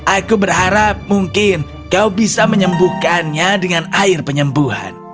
aku berharap mungkin kau bisa menyembuhkannya dengan air penyembuhan